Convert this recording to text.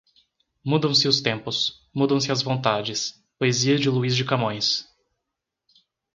Mudam-se os tempos, mudam-se as vontades. Poesia de Luís de Camões